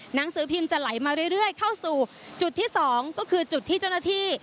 หนังสือพิมพ์จะไหลมาเรื่อยเข้าสู่จุดที่๒ก็คือจุดที่เจ้าหน้าที่